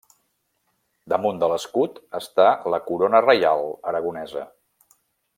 Damunt de l'escut està la corona reial aragonesa.